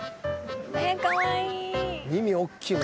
かわいい！